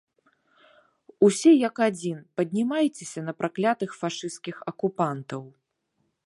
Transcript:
Усе, як адзін, паднімайцеся на праклятых фашысцкіх акупантаў!